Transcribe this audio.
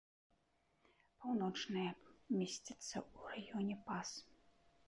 Паўночная месціцца ў раёне пас.